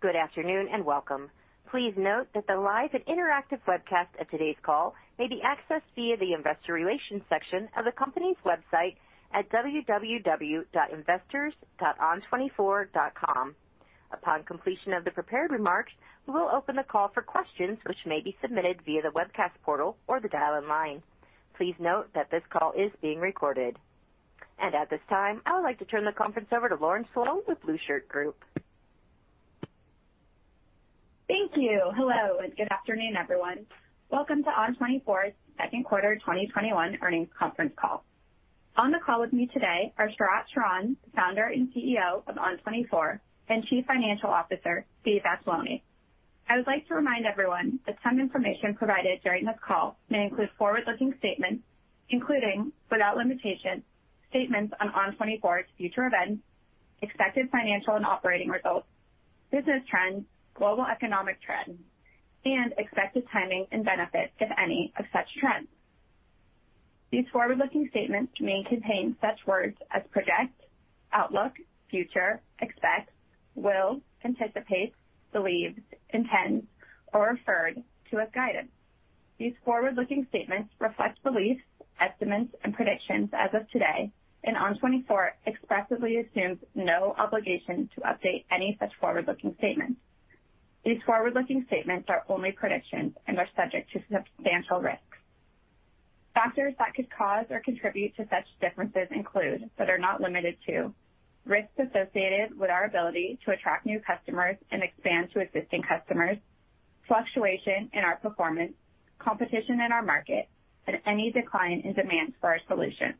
Good afternoon, and welcome. Please note that the live and interactive webcast of today's call may be accessed via the investor relations section of the company's website at www.investors.on24.com. Upon completion of the prepared remarks, we will open the call for questions, which may be submitted via the webcast portal or the dial-in line. Please note that this call is being recorded. At this time, I would like to turn the conference over to Lauren Sloane with The Blueshirt Group. Thank you. Hello, good afternoon, everyone. Welcome to ON24's second quarter 2021 earnings conference call. On the call with me today are Sharat Sharan, Founder and CEO of ON24, and Chief Financial Officer, Steve Vattuone. I would like to remind everyone that some information provided during this call may include forward-looking statements, including, without limitation, statements on ON24's future events, expected financial and operating results, business trends, global economic trends, and expected timing and benefits, if any, of such trends. These forward-looking statements may contain such words as project, outlook, future, expect, will, anticipate, believe, intend, or referred to as guidance. These forward-looking statements reflect beliefs, estimates, and predictions as of today, and ON24 expressly assumes no obligation to update any such forward-looking statements. These forward-looking statements are only predictions and are subject to substantial risks. Factors that could cause or contribute to such differences include, but are not limited to, risks associated with our ability to attract new customers and expand to existing customers, fluctuation in our performance, competition in our market, and any decline in demand for our solution,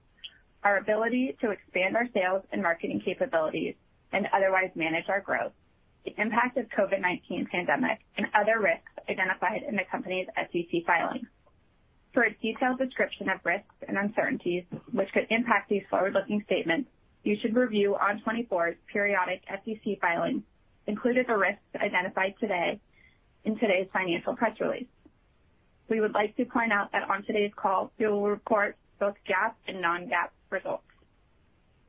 our ability to expand our sales and marketing capabilities and otherwise manage our growth, the impact of COVID-19 pandemic, and other risks identified in the company's SEC filings. For a detailed description of risks and uncertainties which could impact these forward-looking statements, you should review ON24's periodic SEC filings, including the risks identified today in today's financial press release. We would like to point out that on today's call, we will report both GAAP and non-GAAP results.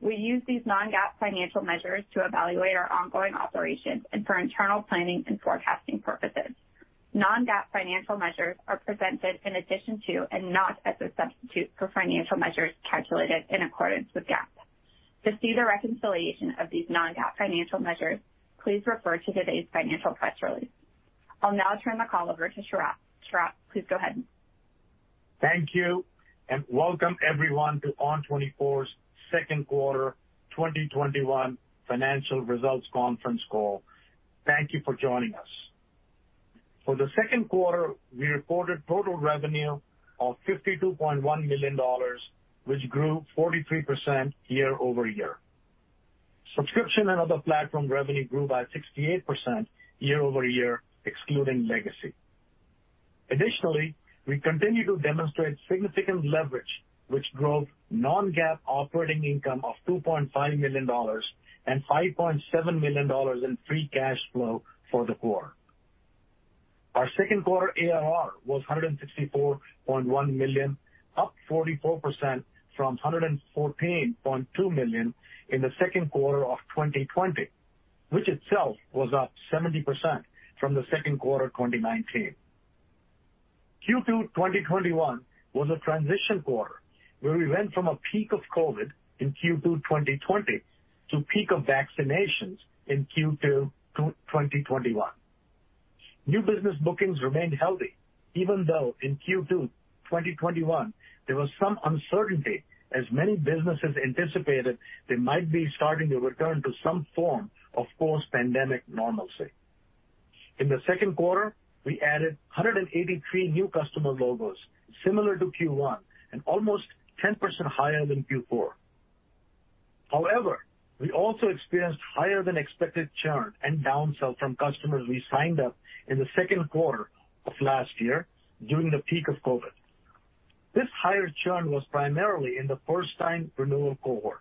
We use these non-GAAP financial measures to evaluate our ongoing operations and for internal planning and forecasting purposes. Non-GAAP financial measures are presented in addition to and not as a substitute for financial measures calculated in accordance with GAAP. To see the reconciliation of these non-GAAP financial measures, please refer to today's financial press release. I'll now turn the call over to Sharat. Sharat, please go ahead. Thank you, and welcome everyone to ON24's second quarter 2021 financial results conference call. Thank you for joining us. For the second quarter, we reported total revenue of $52.1 million, which grew 43% year-over-year. Subscription and other platform revenue grew by 68% year-over-year, excluding legacy. Additionally, we continue to demonstrate significant leverage, which drove non-GAAP operating income of $2.5 million and $5.7 million in free cash flow for the quarter. Our second quarter ARR was $164.1 million, up 44% from $114.2 million in the second quarter of 2020, which itself was up 70% from the second quarter 2019. Q2 2021 was a transition quarter, where we went from a peak of COVID in Q2 2020 to peak of vaccinations in Q2 2021. New business bookings remained healthy, even though in Q2 2021, there was some uncertainty, as many businesses anticipated they might be starting to return to some form of post-pandemic normalcy. In the second quarter, we added 183 new customer logos, similar to Q1, and almost 10% higher than Q4. However, we also experienced higher than expected churn and downsell from customers we signed up in the second quarter of last year during the peak of COVID. This higher churn was primarily in the first-time renewal cohort,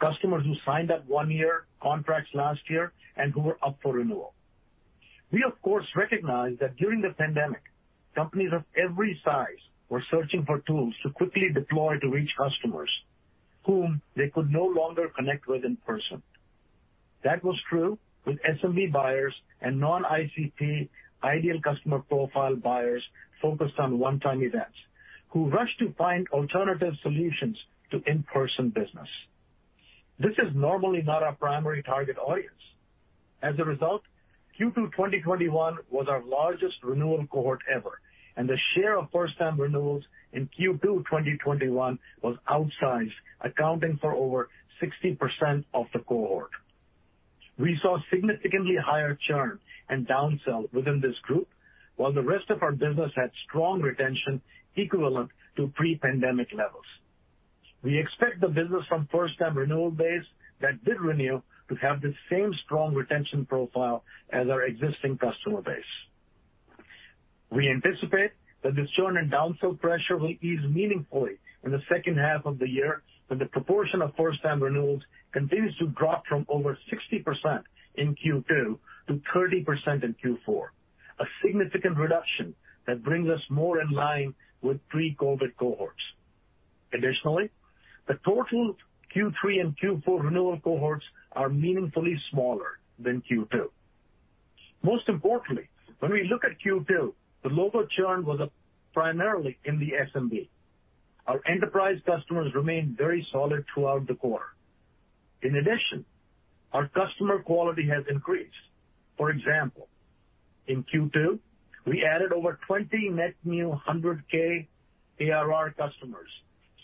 customers who signed up one-year contracts last year and who were up for renewal. We, of course, recognize that during the pandemic, companies of every size were searching for tools to quickly deploy to reach customers whom they could no longer connect with in person. That was true with SMB buyers and non-ICP, ideal customer profile buyers focused on one-time events, who rushed to find alternative solutions to in-person business. This is normally not our primary target audience. As a result, Q2 2021 was our largest renewal cohort ever, and the share of first-time renewals in Q2 2021 was outsized, accounting for over 60% of the cohort. We saw significantly higher churn and downsell within this group, while the rest of our business had strong retention equivalent to pre-pandemic levels. We expect the business from first-time renewal base that did renew to have the same strong retention profile as our existing customer base. We anticipate that the churn and downsell pressure will ease meaningfully in the second half of the year when the proportion of first-time renewals continues to drop from over 60% in Q2 to 30% in Q4, a significant reduction that brings us more in line with pre-COVID cohorts. Additionally, the total Q3 and Q4 renewal cohorts are meaningfully smaller than Q2. Most importantly, when we look at Q2, the global churn was primarily in the SMB. Our enterprise customers remained very solid throughout the quarter. In addition, our customer quality has increased. For example, in Q2, we added over 20 net new 100K ARR customers,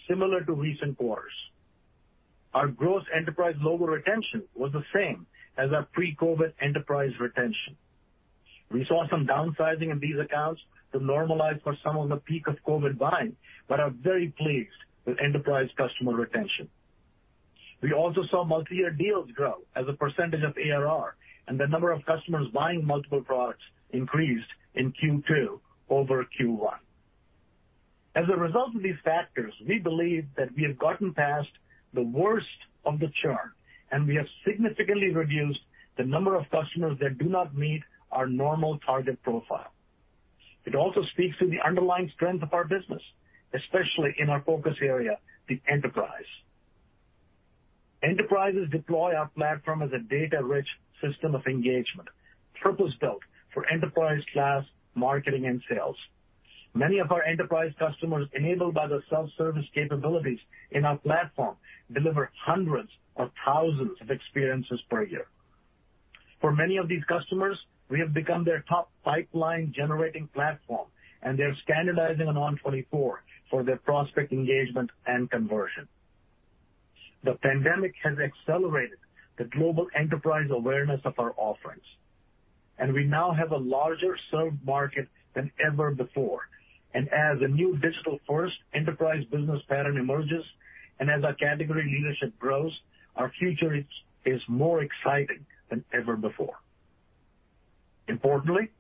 similar to recent quarters. Our gross enterprise global retention was the same as our pre-COVID enterprise retention. We saw some downsizing in these accounts to normalize for some of the peak-of-COVID buying, but are very pleased with enterprise customer retention. We also saw multi-year deals grow as a percentage of ARR, and the number of customers buying multiple products increased in Q2 over Q1. As a result of these factors, we believe that we have gotten past the worst of the churn, and we have significantly reduced the number of customers that do not meet our normal target profile. It also speaks to the underlying strength of our business, especially in our focus area, the enterprise. Enterprises deploy our platform as a data-rich system of engagement, purpose-built for enterprise-class marketing and sales. Many of our enterprise customers, enabled by the self-service capabilities in our platform, deliver hundreds of thousands of experiences per year. For many of these customers, we have become their top pipeline-generating platform, and they are standardizing on ON24 for their prospect engagement and conversion. The pandemic has accelerated the global enterprise awareness of our offerings, and we now have a larger served market than ever before. As a new digital-first enterprise business pattern emerges, and as our category leadership grows, our future is more exciting than ever before. Importantly,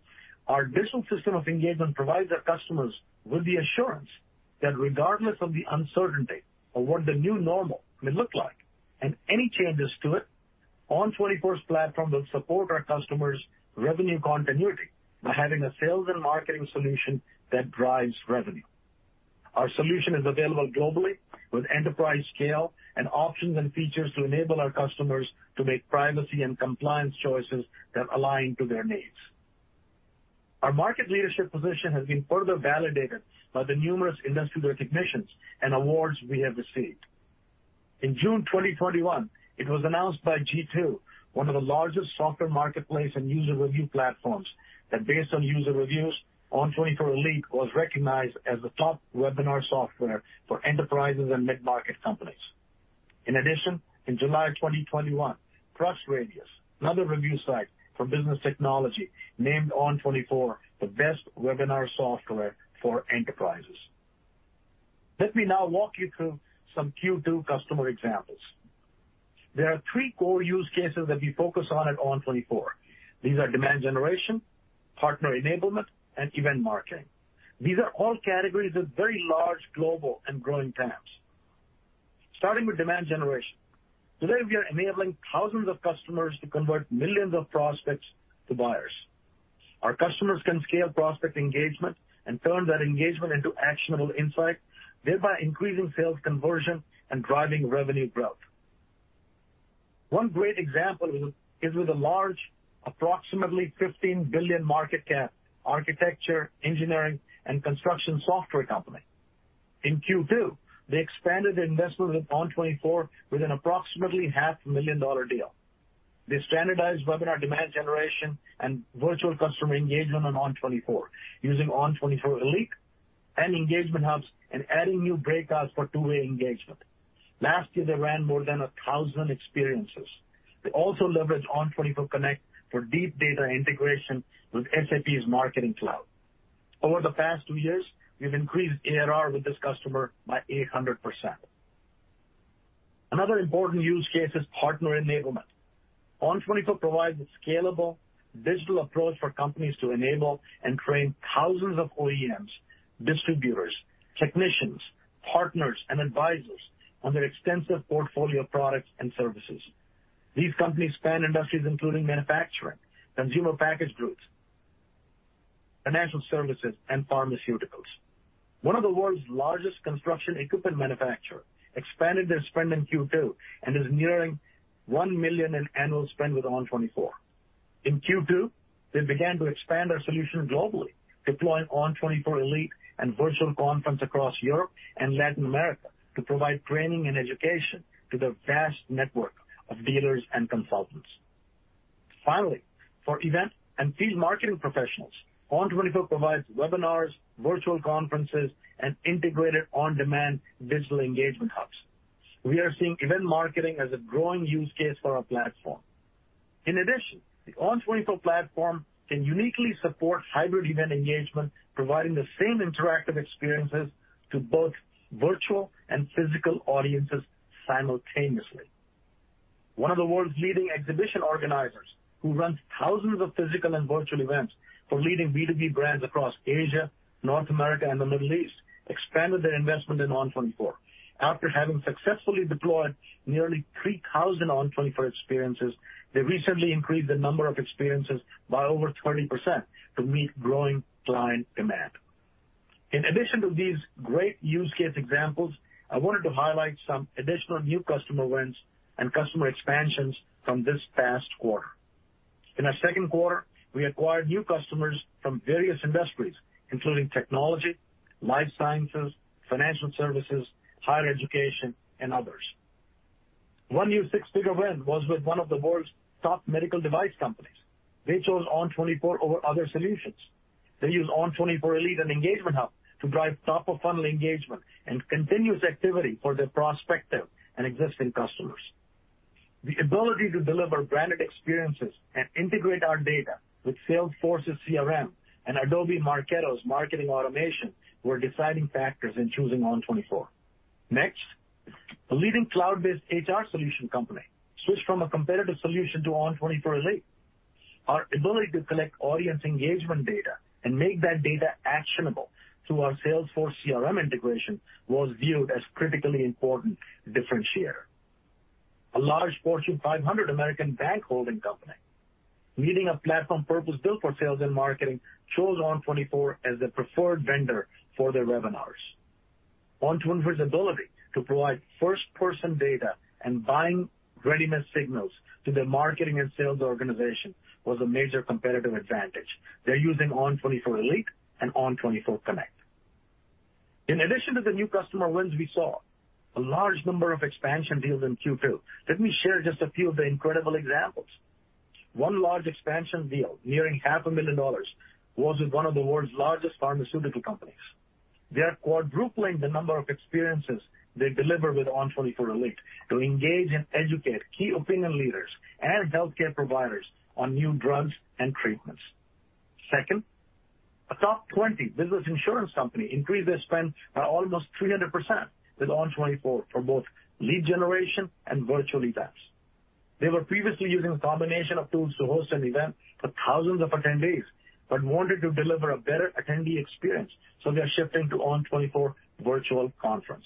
our digital system of engagement provides our customers with the assurance that regardless of the uncertainty of what the new normal may look like and any changes to it, ON24's platform will support our customers' revenue continuity by having a sales and marketing solution that drives revenue. Our solution is available globally with enterprise scale and options and features to enable our customers to make privacy and compliance choices that align to their needs. Our market leadership position has been further validated by the numerous industry recognitions and awards we have received. In June 2021, it was announced by G2, one of the largest software marketplace and user review platforms, that based on user reviews, ON24 Elite was recognized as the top webinar software for enterprises and mid-market companies. In addition, in July 2021, TrustRadius, another review site for business technology, named ON24 the best webinar software for enterprises. Let me now walk you through some Q2 customer examples. There are three core use cases that we focus on at ON24. These are demand generation, partner enablement, and event marketing. These are all categories with very large global and growing TAMs. Starting with demand generation. Today, we are enabling thousands of customers to convert millions of prospects to buyers. Our customers can scale prospect engagement and turn that engagement into actionable insights, thereby increasing sales conversion and driving revenue growth. One great example is with a large, approximately 15 billion market cap, architecture, engineering, and construction software company. In Q2, they expanded their investment with ON24 with an approximately half-million-dollar deal. They standardized webinar demand generation and virtual customer engagement on ON24 using ON24 Elite and Engagement Hubs and adding new Breakouts for two-way engagement. Last year, they ran more than 1,000 experiences. They also leveraged ON24 Connect for deep data integration with SAP's Marketing Cloud. Over the past two years, we've increased ARR with this customer by 800%. Another important use case is partner enablement. ON24 provides a scalable digital approach for companies to enable and train thousands of OEMs, distributors, technicians, partners, and advisors on their extensive portfolio of products and services. These companies span industries including manufacturing, consumer packaged goods, financial services, and pharmaceuticals. One of the world's largest construction equipment manufacturer expanded their spend in Q2 and is nearing $1 million in annual spend with ON24. In Q2, they began to expand our solution globally, deploying ON24 Elite and Virtual Conference across Europe and Latin America to provide training and education to their vast network of dealers and consultants. Finally, for event and field marketing professionals, ON24 provides webinars, virtual conferences, and integrated on-demand digital Engagement Hubs. We are seeing event marketing as a growing use case for our platform. In addition, the ON24 platform can uniquely support hybrid event engagement, providing the same interactive experiences to both virtual and physical audiences simultaneously. One of the world's leading exhibition organizers, who runs thousands of physical and virtual events for leading B2B brands across Asia, North America, and the Middle East, expanded their investment in ON24. After having successfully deployed nearly 3,000 ON24 experiences, they recently increased the number of experiences by over 20% to meet growing client demand. In addition to these great use case examples, I wanted to highlight some additional new customer wins and customer expansions from this past quarter. In our second quarter, we acquired new customers from various industries, including technology, life sciences, financial services, higher education, and others. One new six-figure win was with one of the world's top medical device companies. They chose ON24 over other solutions. They use ON24 Elite and Engagement Hub to drive top-of-funnel engagement and continuous activity for their prospective and existing customers. The ability to deliver branded experiences and integrate our data with Salesforce's CRM and Adobe Marketo's marketing automation were deciding factors in choosing ON24. A leading cloud-based HR solution company switched from a competitive solution to ON24 Elite. Our ability to collect audience engagement data and make that data actionable through our Salesforce CRM integration was viewed as a critically important differentiator. A large Fortune 500 American bank holding company, needing a platform purpose-built for sales and marketing, chose ON24 as their preferred vendor for their webinars. ON24's ability to provide first-person data and buying readiness signals to their marketing and sales organization was a major competitive advantage. They are using ON24 Elite and ON24 Connect. In addition to the new customer wins, we saw a large number of expansion deals in Q2. Let me share just a few of the incredible examples. One large expansion deal, nearing half a million dollars, was with one of the world's largest pharmaceutical companies. They are quadrupling the number of experiences they deliver with ON24 Elite to engage and educate key opinion leaders and healthcare providers on new drugs and treatments. Second, a top 20 business insurance company increased their spend by almost 300% with ON24 for both lead generation and virtual events. They were previously using a combination of tools to host an event for thousands of attendees but wanted to deliver a better attendee experience, so they are shifting to ON24 Virtual Conference.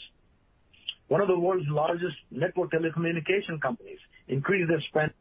One of the world's largest network telecommunication companies increased their spend.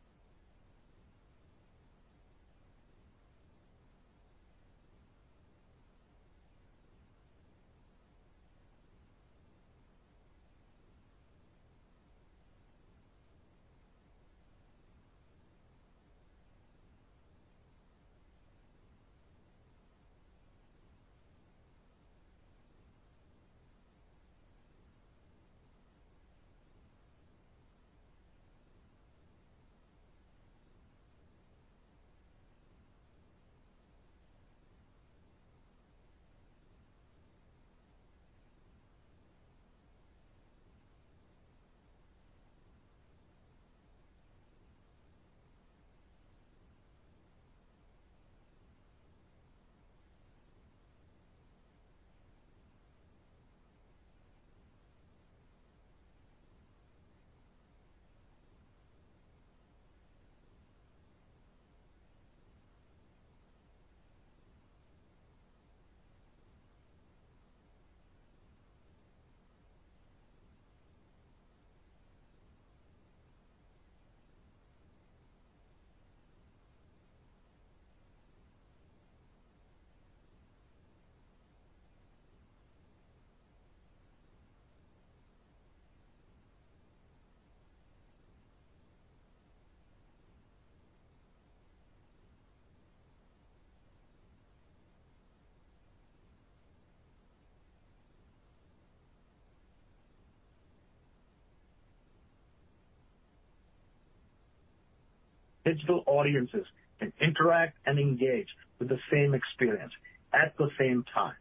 Digital audiences can interact and engage with the same experience at the same time.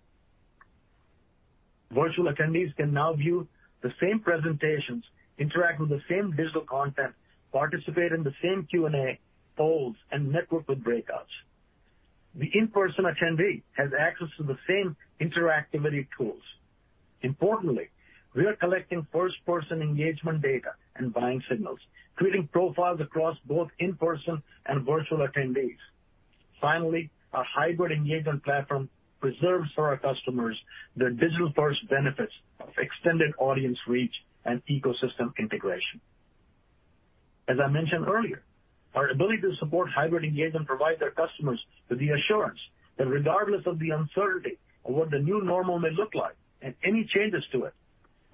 Virtual attendees can now view the same presentations, interact with the same digital content, participate in the same Q&A polls, and network with breakouts. The in-person attendee has access to the same interactivity tools. Importantly, we are collecting first-person engagement data and buying signals, creating profiles across both in-person and virtual attendees. Finally, our hybrid engagement platform preserves for our customers the digital-first benefits of extended audience reach and ecosystem integration. As I mentioned earlier, our ability to support hybrid engagement provides our customers with the assurance that regardless of the uncertainty of what the new normal may look like and any changes to it,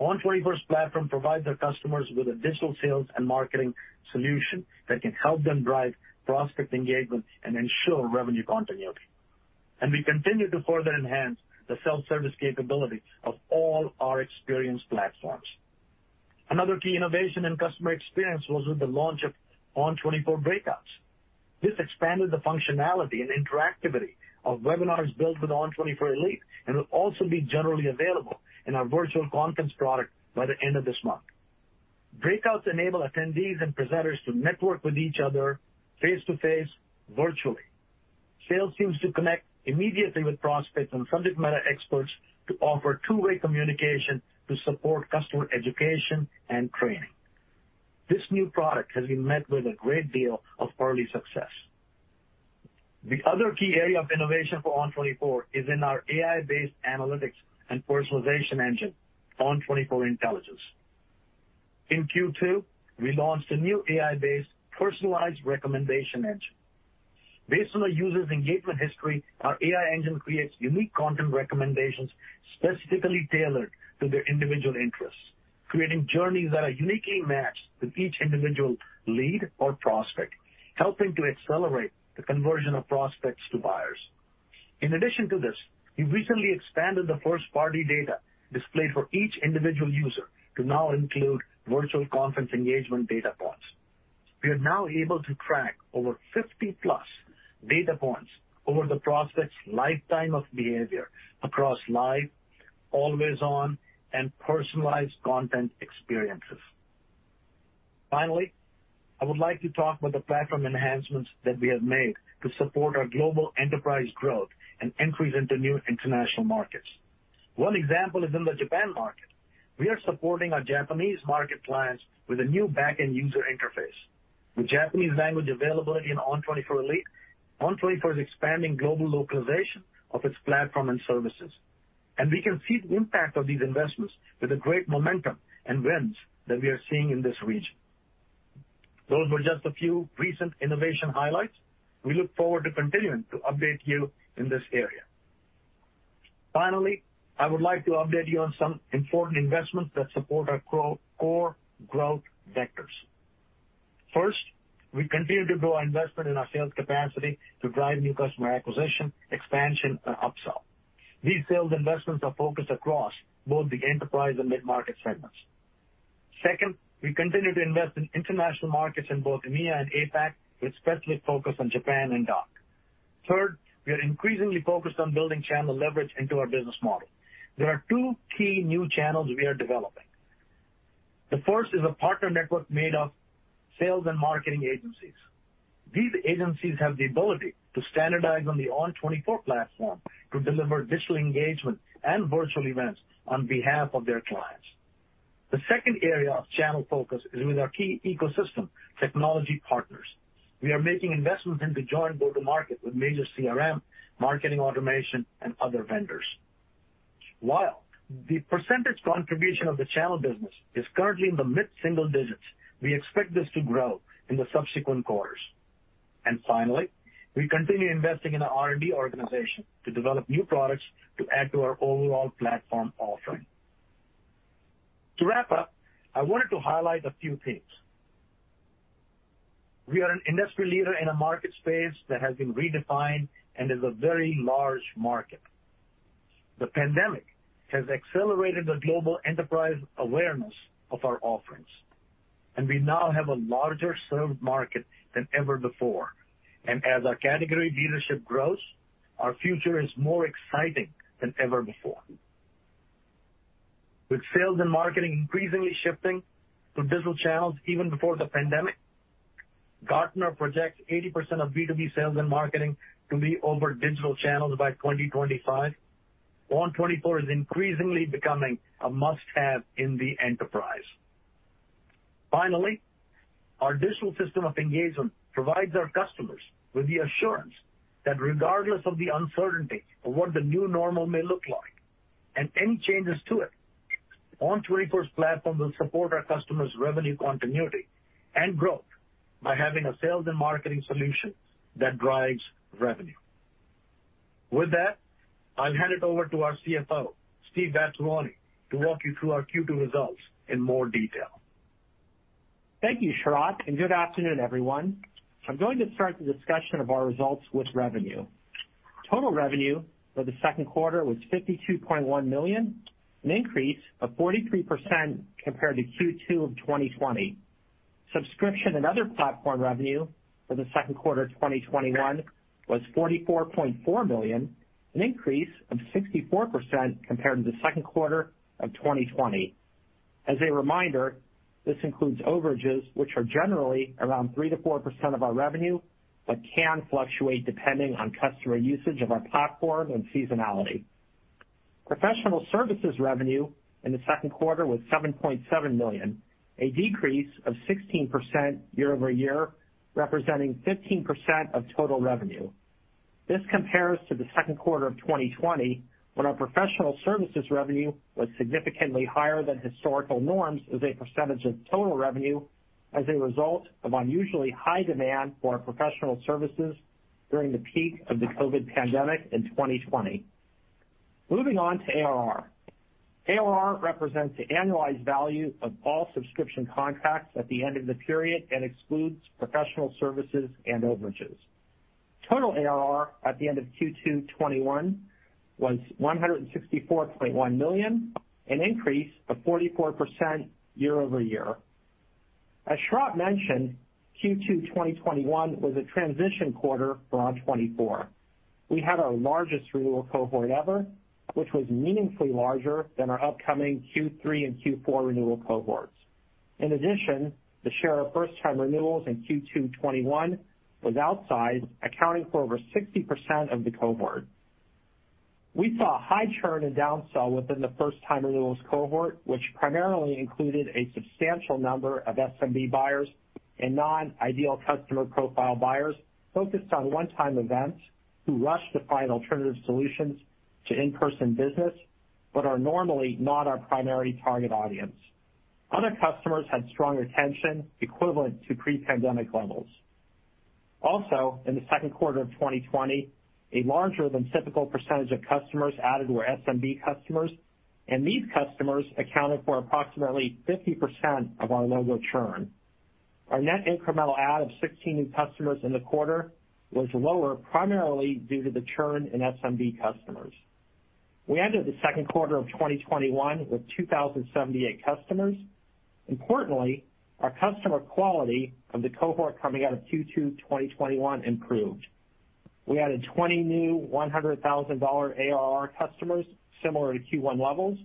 ON24's platform provides our customers with a digital sales and marketing solution that can help them drive prospect engagement and ensure revenue continuity. We continue to further enhance the self-service capability of all our experience platforms. Another key innovation in customer experience was with the launch of ON24 Breakouts. This expanded the functionality and interactivity of webinars built with ON24 Webcast Elite and will also be generally available in our virtual conference product by the end of this month. Breakouts enable attendees and presenters to network with each other face-to-face virtually, sales teams to connect immediately with prospects and subject matter experts to offer two-way communication to support customer education and training. This new product has been met with a great deal of early success. The other key area of innovation for ON24 is in our AI-based analytics and personalization engine, ON24 Intelligence. In Q2, we launched a new AI-based personalized recommendation engine. Based on the user's engagement history, our AI engine creates unique content recommendations specifically tailored to their individual interests, creating journeys that are uniquely matched with each individual lead or prospect, helping to accelerate the conversion of prospects to buyers. In addition to this, we recently expanded the first-party data displayed for each individual user to now include virtual conference engagement data points. We are now able to track over 50+ data points over the prospect's lifetime of behavior across live, always-on, and personalized content experiences. Finally, I would like to talk about the platform enhancements that we have made to support our global enterprise growth and entry into new international markets. One example is in the Japan market. We are supporting our Japanese market plans with a new back-end user interface. With Japanese language availability in ON24 Elite, ON24 is expanding global localization of its platform and services, and we can see the impact of these investments with the great momentum and wins that we are seeing in this region. Those were just a few recent innovation highlights. We look forward to continuing to update you in this area. Finally, I would like to update you on some important investments that support our core growth vectors. First, we continue to grow investment in our sales capacity to drive new customer acquisition, expansion, and upsell. These sales investments are focused across both the enterprise and mid-market segments. Second, we continue to invest in international markets in both EMEA and APAC, with specialist focus on Japan and DACH. Third, we are increasingly focused on building channel leverage into our business model. There are two key new channels we are developing. The first is a partner network made of sales and marketing agencies. These agencies have the ability to standardize on the ON24 platform to deliver digital engagement and virtual events on behalf of their clients. The second area of channel focus is with our key ecosystem technology partners. We are making investments into joint go-to-market with major CRM, marketing automation, and other vendors. While the percentage contribution of the channel business is currently in the mid-single digits, we expect this to grow in the subsequent quarters. Finally, we continue investing in our R&D organization to develop new products to add to our overall platform offering. To wrap up, I wanted to highlight a few things. We are an industry leader in a market space that has been redefined and is a very large market. The pandemic has accelerated the global enterprise awareness of our offerings, and we now have a larger served market than ever before. As our category leadership grows, our future is more exciting than ever before. With sales and marketing increasingly shifting to digital channels even before the pandemic, Gartner projects 80% of B2B sales and marketing to be over digital channels by 2025. ON24 is increasingly becoming a must-have in the enterprise. Our digital system of engagement provides our customers with the assurance that regardless of the uncertainty of what the new normal may look like and any changes to it, ON24's platform will support our customers' revenue continuity and growth by having a sales and marketing solution that drives revenue. With that, I'll hand it over to our CFO, Steve Vattuone, to walk you through our Q2 results in more detail. Thank you, Sharat, and good afternoon, everyone. I'm going to start the discussion of our results with revenue. Total revenue for the second quarter was $52.1 million, an increase of 43% compared to Q2 of 2020. Subscription and other platform revenue for the second quarter 2021 was $44.4 million, an increase of 64% compared to the second quarter of 2020. As a reminder, this includes overages, which are generally around 3%-4% of our revenue, but can fluctuate depending on customer usage of our platform and seasonality. Professional services revenue in the second quarter was $7.7 million, a decrease of 16% year-over-year, representing 15% of total revenue. This compares to the second quarter of 2020, when our professional services revenue was significantly higher than historical norms as a percentage of total revenue as a result of unusually high demand for our professional services during the peak of the COVID pandemic in 2020. Moving on to ARR. ARR represents the annualized value of all subscription contracts at the end of the period and excludes professional services and overages. Total ARR at the end of Q2 2021 was $164.1 million, an increase of 44% year-over-year. As Sharat mentioned, Q2 2021 was a transition quarter for ON24. We had our largest renewal cohort ever, which was meaningfully larger than our upcoming Q3 and Q4 renewal cohorts. In addition, the share of first-time renewals in Q2 2021 was outsized, accounting for over 60% of the cohort. We saw high churn and downsell within the first-time renewals cohort, which primarily included a substantial number of SMB buyers and non-ideal customer profile buyers focused on one-time events who rushed to find alternative solutions to in-person business, but are normally not our primary target audience. Other customers had strong retention equivalent to pre-pandemic levels. Also, in the second quarter of 2020, a larger than typical percentage of customers added were SMB customers, and these customers accounted for approximately 50% of our logo churn. Our net incremental add of 16 new customers in the quarter was lower, primarily due to the churn in SMB customers. We ended the second quarter of 2021 with 2,078 customers. Importantly, our customer quality of the cohort coming out of Q2 2021 improved. We added 20 new $100,000 ARR customers, similar to Q1 levels,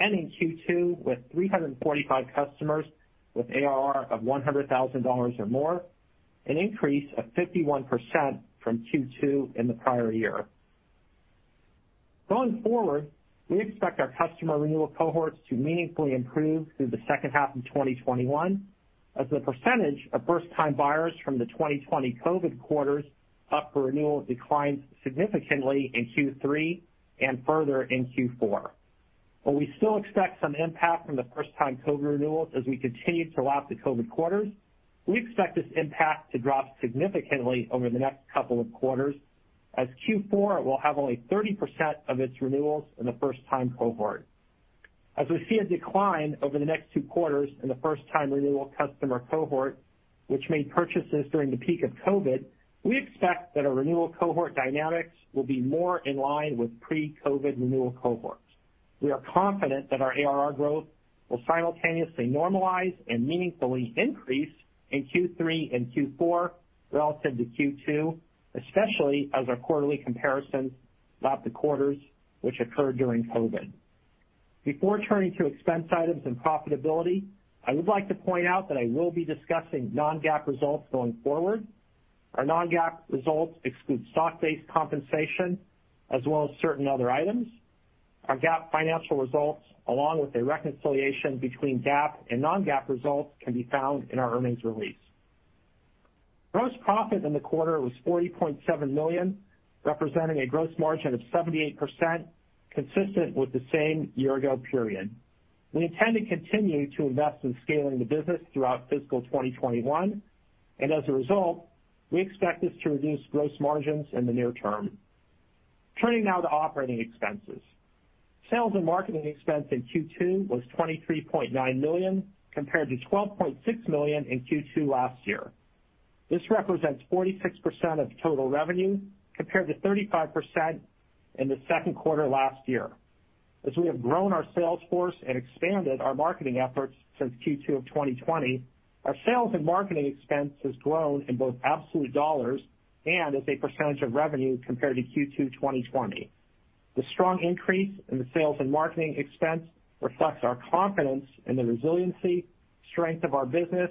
ending Q2 with 345 customers with ARR of $100,000 or more, an increase of 51% from Q2 in the prior year. Going forward, we expect our customer renewal cohorts to meaningfully improve through the second half of 2021 as the percentage of first-time buyers from the 2020 COVID quarters up for renewal declines significantly in Q3 and further in Q4. While we still expect some impact from the first-time COVID renewals as we continue to lap the COVID quarters, we expect this impact to drop significantly over the next couple of quarters as Q4 will have only 30% of its renewals in the first-time cohort. As we see a decline over the next two quarters in the first-time renewal customer cohort which made purchases during the peak of COVID, we expect that our renewal cohort dynamics will be more in line with pre-COVID renewal cohorts. We are confident that our ARR growth will simultaneously normalize and meaningfully increase in Q3 and Q4 relative to Q2, especially as our quarterly comparisons lap the quarters which occurred during COVID. Before turning to expense items and profitability, I would like to point out that I will be discussing non-GAAP results going forward. Our non-GAAP results exclude stock-based compensation as well as certain other items. Our GAAP financial results, along with a reconciliation between GAAP and non-GAAP results, can be found in our earnings release. Gross profit in the quarter was $40.7 million, representing a gross margin of 78%, consistent with the same year ago period. We intend to continue to invest in scaling the business throughout fiscal 2021, and as a result, we expect this to reduce gross margins in the near term. Turning now to operating expenses. Sales and marketing expense in Q2 was $23.9 million, compared to $12.6 million in Q2 last year. This represents 46% of total revenue, compared to 35% in the second quarter last year. As we have grown our sales force and expanded our marketing efforts since Q2 of 2020, our sales and marketing expense has grown in both absolute dollars and as a percentage of revenue compared to Q2 2020. The strong increase in the sales and marketing expense reflects our confidence in the resiliency, strength of our business,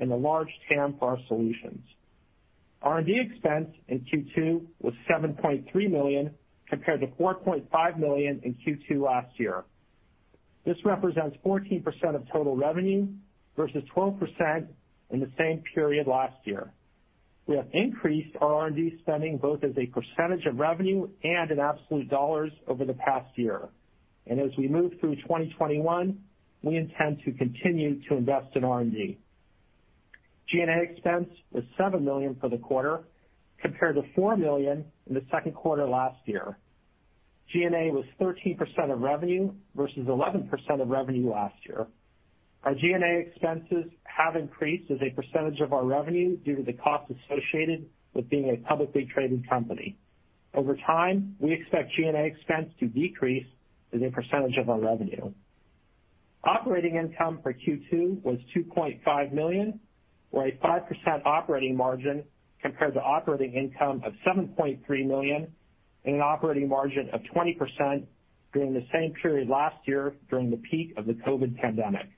and the large TAM for our solutions. R&D expense in Q2 was $7.3 million, compared to $4.5 million in Q2 last year. This represents 14% of total revenue versus 12% in the same period last year. We have increased our R&D spending both as a percentage of revenue and in absolute dollars over the past year. As we move through 2021, we intend to continue to invest in R&D. G&A expense was $7 million for the quarter, compared to $4 million in the second quarter last year. G&A was 13% of revenue versus 11% of revenue last year. Our G&A expenses have increased as a percentage of our revenue due to the cost associated with being a publicly traded company. Over time, we expect G&A expense to decrease as a percentage of our revenue. Operating income for Q2 was $2.5 million, or a 5% operating margin, compared to operating income of $7.3 million and an operating margin of 20% during the same period last year during the peak of the COVID pandemic.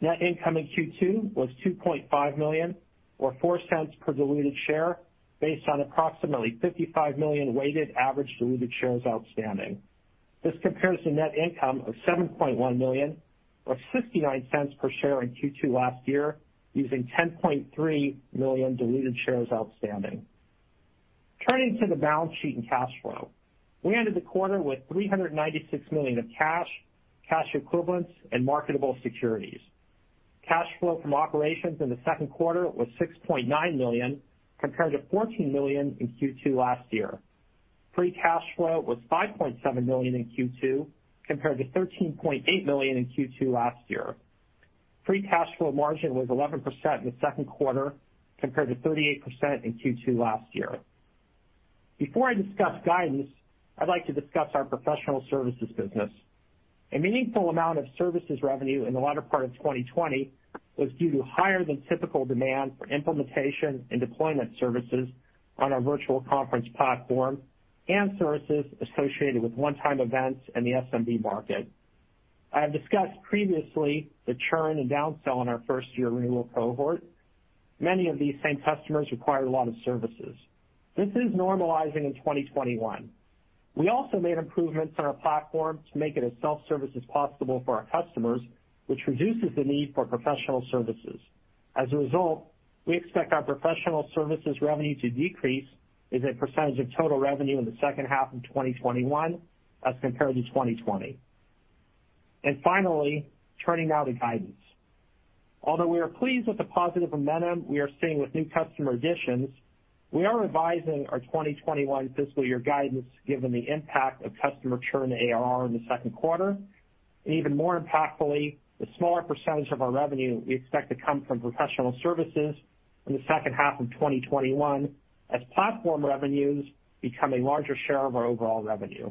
Net income in Q2 was $2.5 million or $0.04 per diluted share based on approximately 55 million weighted average diluted shares outstanding. This compares to net income of $7.1 million or $0.69 per share in Q2 last year, using 10.3 million diluted shares outstanding. Turning to the balance sheet and cash flow. We ended the quarter with $396 million of cash equivalents, and marketable securities. Cash flow from operations in the second quarter was $6.9 million, compared to $14 million in Q2 last year. Free cash flow was $5.7 million in Q2, compared to $13.8 million in Q2 last year. Free cash flow margin was 11% in the second quarter, compared to 38% in Q2 2020. Before I discuss guidance, I'd like to discuss our professional services business. A meaningful amount of services revenue in the latter part of 2020 was due to higher than typical demand for implementation and deployment services on our ON24 Virtual Conference platform and services associated with one-time events in the SMB market. I have discussed previously the churn and down-sell in our first-year renewal cohort. Many of these same customers required a lot of services. This is normalizing in 2021. We also made improvements in our platform to make it as self-service as possible for our customers, which reduces the need for professional services. As a result, we expect our professional services revenue to decrease as a percentage of total revenue in the second half of 2021 as compared to 2020. Finally, turning now to guidance. Although we are pleased with the positive momentum we are seeing with new customer additions, we are revising our 2021 fiscal year guidance given the impact of customer churn ARR in the second quarter, and even more impactfully, the smaller percentage of our revenue we expect to come from professional services in the second half of 2021 as platform revenues become a larger share of our overall revenue.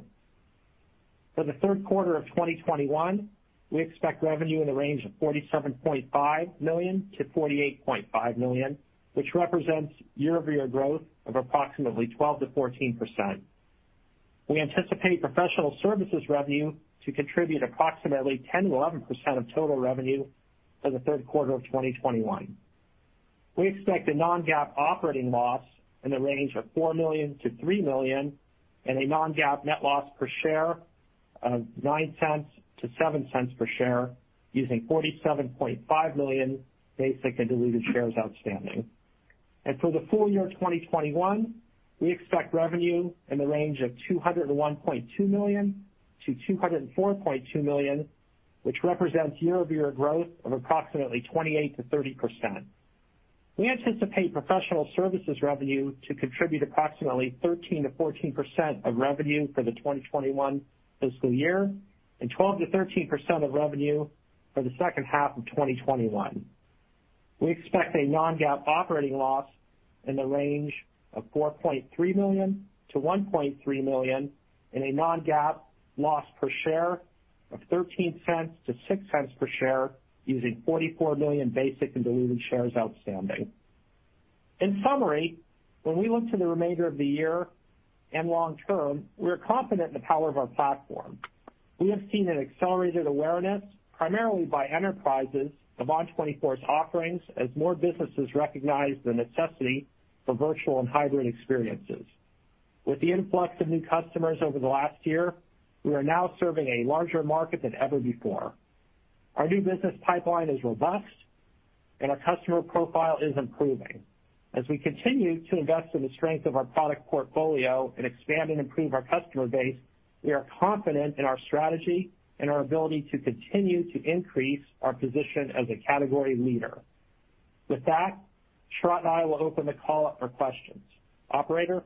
For the third quarter of 2021, we expect revenue in the range of $47.5 million-$48.5 million, which represents year-over-year growth of approximately 12%-14%. We anticipate professional services revenue to contribute approximately 10%-11% of total revenue for the third quarter of 2021. We expect a non-GAAP operating loss in the range of $4 million-$3 million and a non-GAAP net loss per share of $0.09-$0.07 per share using 47.5 million basic and diluted shares outstanding. For the full year 2021, we expect revenue in the range of $201.2 million-$204.2 million, which represents year-over-year growth of approximately 28%-30%. We anticipate professional services revenue to contribute approximately 13%-14% of revenue for the 2021 fiscal year and 12%-13% of revenue for the second half of 2021. We expect a non-GAAP operating loss in the range of $4.3 million-$1.3 million and a non-GAAP loss per share of $0.13-$0.06 per share using 44 million basic and diluted shares outstanding. In summary, when we look to the remainder of the year and long term, we are confident in the power of our platform. We have seen an accelerated awareness, primarily by enterprises, of ON24's offerings as more businesses recognize the necessity for virtual and hybrid experiences. With the influx of new customers over the last year, we are now serving a larger market than ever before. Our new business pipeline is robust, and our customer profile is improving. As we continue to invest in the strength of our product portfolio and expand and improve our customer base, we are confident in our strategy and our ability to continue to increase our position as a category leader. With that, Sharat and I will open the call up for questions. Operator?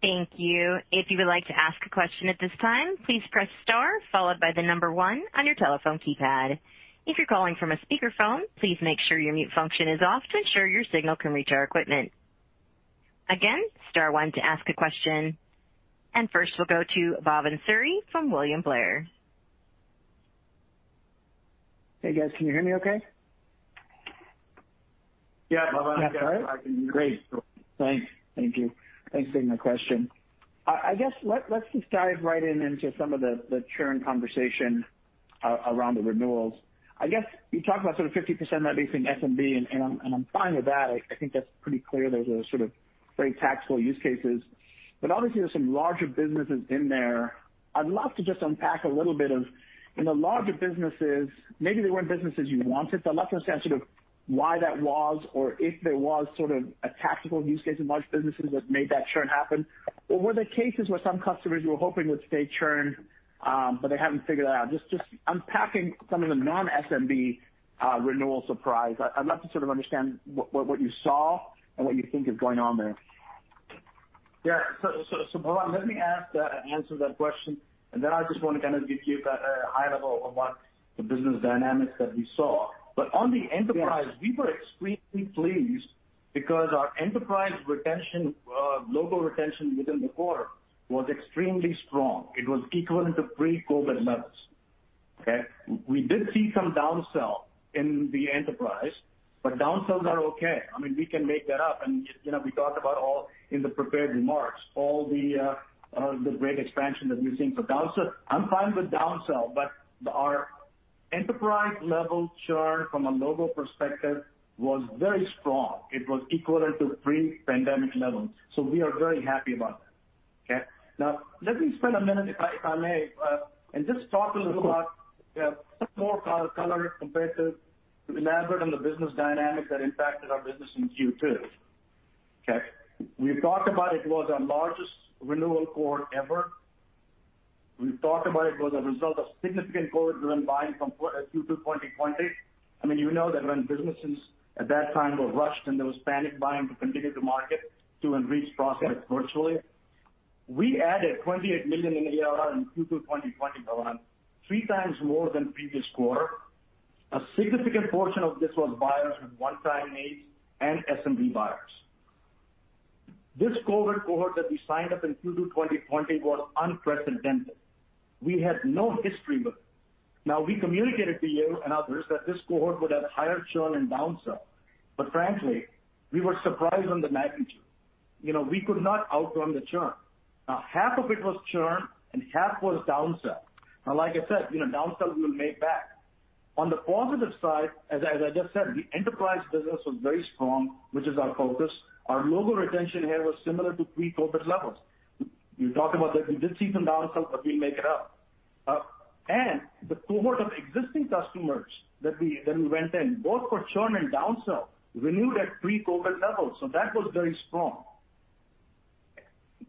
Thank you. If you would like to ask a question at this time, please press star followed by the number one on your telephone keypad. If you're calling from a speakerphone, please make sure your mute function is off to ensure your signal can reach our equipment. Again, star one to ask a question. First, we'll go to Bhavan Suri from William Blair. Hey, guys. Can you hear me okay? Yeah, Bhavan. Yeah. All right. I can hear you. Great. Thanks. Thank you. Thanks for taking my question. Let's just dive right into some of the churn conversation around the renewals. You talked about 50% of that base in SMB, and I'm fine with that. I think that's pretty clear. Those are very tactical use cases. Obviously, there's some larger businesses in there. I'd love to just unpack a little bit of, in the larger businesses, maybe they weren't businesses you wanted, but I'd love to understand why that was or if there was a tactical use case in large businesses that made that churn happen. Were there cases where some customers you were hoping would stay churned, but they haven't figured it out? Just unpacking some of the non-SMB renewal surprise, I'd love to understand what you saw and what you think is going on there. Yeah. Bhavan, let me answer that question, and then I just want to give you a high level of what the business dynamics that we saw. On the enterprise- Yes We were extremely pleased because our enterprise retention, logo retention within the quarter was extremely strong. It was equivalent to pre-COVID levels. We did see some downsell in the enterprise, but downsells are okay. We can make that up. We talked about all in the prepared remarks, all the great expansion that we're seeing for downsell. I'm fine with downsell, but our enterprise level churn from a logo perspective was very strong. It was equivalent to pre-pandemic levels. We are very happy about that. Now, let me spend a minute, if I may, and just talk a little about some more color compared to elaborate on the business dynamics that impacted our business in Q2. We talked about it was our largest renewal quarter ever. We talked about it was a result of significant COVID-driven buying from Q2 2020. You know that when businesses at that time were rushed, there was panic buying to continue to market to and reach prospects virtually. We added $28 million in ARR in Q2 2020, Bhavan, three times more than previous quarter. A significant portion of this was buyers from one-time needs and SMB buyers. This COVID cohort that we signed up in Q2 2020 was unprecedented. We had no history book. We communicated to you and others that this cohort would have higher churn and downsell, frankly, we were surprised on the magnitude. We could not outrun the churn. Half of it was churn and half was downsell. Like I said, downsell we will make back. On the positive side, as I just said, the enterprise business was very strong, which is our focus. Our logo retention here was similar to pre-COVID levels. You talked about that we did see some downsell, but we'll make it up. The cohort of existing customers that we went in, both for churn and down sell, renewed at pre-COVID levels. That was very strong.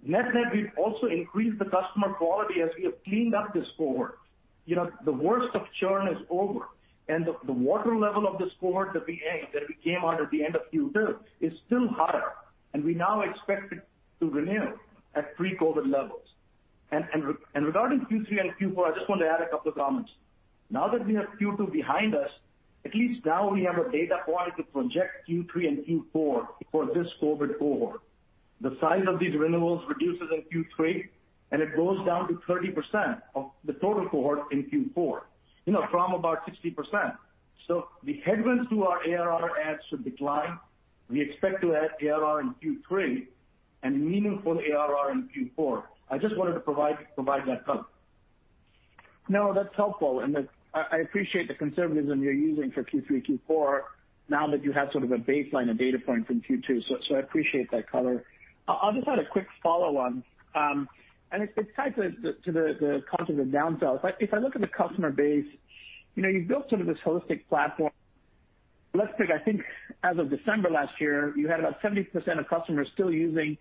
Net net, we've also increased the customer quality as we have cleaned up this cohort. The worst of churn is over, and the water level of this cohort that we came under at the end of Q2 is still higher, and we now expect it to renew at pre-COVID levels. Regarding Q3 and Q4, I just want to add a couple of comments. Now that we have Q2 behind us, at least now we have a data point to project Q3 and Q4 for this COVID cohort. The size of these renewals reduces in Q3, and it goes down to 30% of the total cohort in Q4, from about 60%. The headwinds to our ARR adds should decline. We expect to add ARR in Q3 and meaningful ARR in Q4. I just wanted to provide that color. No, that's helpful, and I appreciate the conservatism you're using for Q3, Q4 now that you have sort of a baseline, a data point from Q2. I appreciate that color. I'll just add a quick follow-on. It's tied to the concept of down sell. If I look at the customer base, you've built sort of this holistic platform. Let's pick, I think as of December last year, you had about 70% of customers still using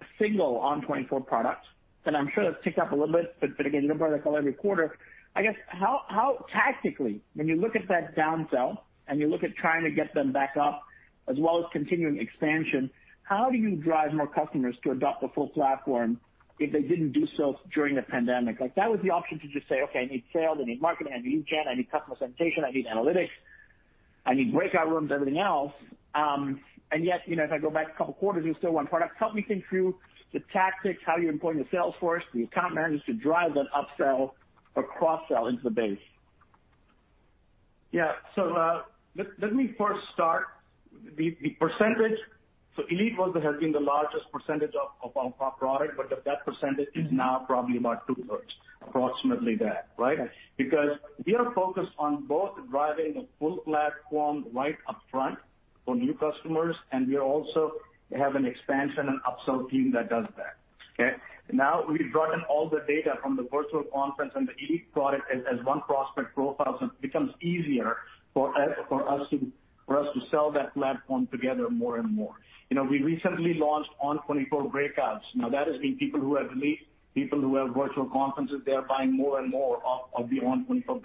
a single ON24 product. I'm sure that's ticked up a little bit, but again, you'll probably call every quarter. I guess, how tactically, when you look at that down sell and you look at trying to get them back up as well as continuing expansion, how do you drive more customers to adopt the full platform if they didn't do so during the pandemic? Like that was the option to just say, "Okay, I need sales, I need marketing, I need lead gen, I need customer segmentation, I need analytics, I need breakout rooms, everything else." Yet, if I go back a couple of quarters, we still want products. Help me think through the tactics, how you employ your sales force, the account managers to drive that upsell or cross-sell into the base. Yeah. Let me first start. The percentage, Elite has been the largest percentage of our product, but that percentage is now probably about two-thirds. Approximately that, right? Yes. We are focused on both driving the full platform right upfront for new customers, and we also have an expansion and upsell team that does that. Okay? We've brought in all the data from the ON24 Virtual Conference and the Elite product as one prospect profile, so it becomes easier for us to sell that platform together more and more. We recently launched ON24 Breakouts. That has been people who have Elite, people who have ON24 Virtual Conference, they are buying more and more of the ON24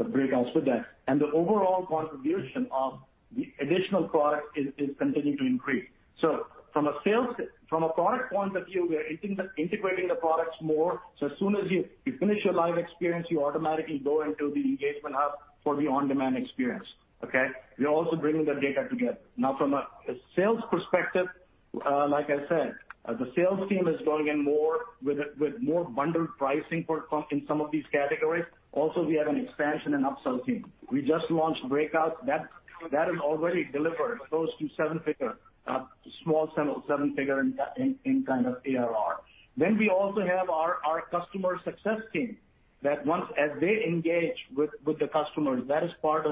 Breakouts with that. The overall contribution of the additional product is continuing to increase. From a product point of view, we are integrating the products more. As soon as you finish your live experience, you automatically go into the Engagement Hub for the on-demand experience, okay? We are also bringing the data together. From a sales perspective, like I said, the sales team is going in more with more bundled pricing in some of these categories. We have an expansion and upsell team. We just launched Breakouts. That has already delivered close to seven-figure, small seven-figure in kind of ARR. We also have our customer success team, that as they engage with the customers, that is part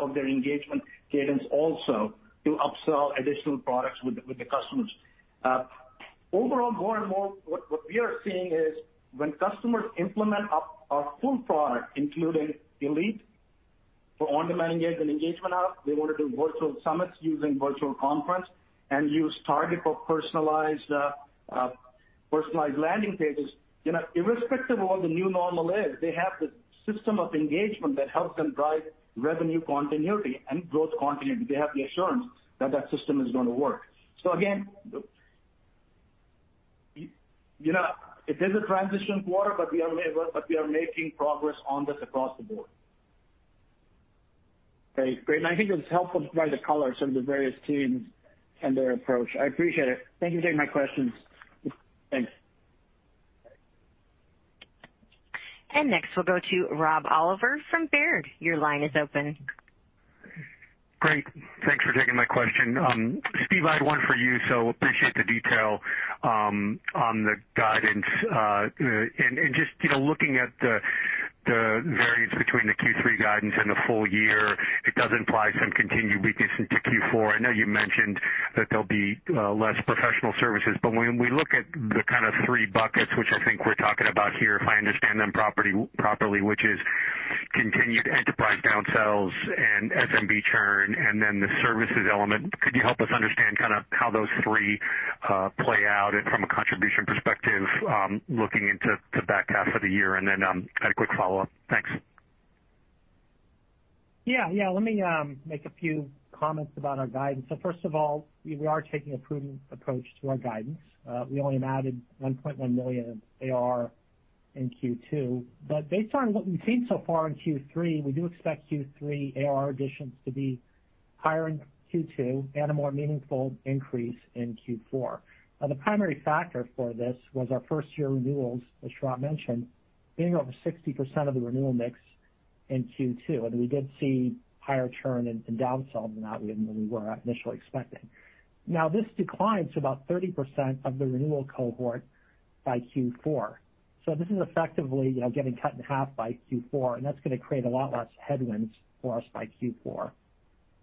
of their engagement cadence also to upsell additional products with the customers. More and more, what we are seeing is when customers implement our full product, including Elite for on-demand Engagement Hub, they want to do virtual summits using Virtual Conference and use Target for personalized landing pages. Irrespective of what the new normal is, they have this system of engagement that helps them drive revenue continuity and growth continuity. They have the assurance that that system is going to work. Again, it is a transition quarter, but we are making progress on this across the board. Great. I think it was helpful to provide the color of some of the various teams and their approach. I appreciate it. Thank you for taking my questions. Thanks. Next, we'll go to Rob Oliver from Baird. Your line is open. Great. Thanks for taking my question. Steve, I had one for you, so appreciate the detail on the guidance. Just looking at the variance between the Q3 guidance and the full year, it does imply some continued weakness into Q4. I know you mentioned that there'll be less professional services, but when we look at the kind of three buckets, which I think we're talking about here, if I understand them properly, which is continued enterprise down sells and SMB churn, and then the services element, could you help us understand kind of how those three play out from a contribution perspective, looking into the back half of the year? Then, I had a quick follow-up. Thanks. Let me make a few comments about our guidance. First of all, we are taking a prudent approach to our guidance. We only added $1.1 million of ARR in Q2. Based on what we've seen so far in Q3, we do expect Q3 ARR additions to be higher in Q2 and a more meaningful increase in Q4. The primary factor for this was our first-year renewals, as Sharat mentioned, being over 60% of the renewal mix in Q2. We did see higher churn and down sells than we were initially expecting. This declines to about 30% of the renewal cohort by Q4. This is effectively getting cut in half by Q4, and that's going to create a lot less headwinds for us by Q4.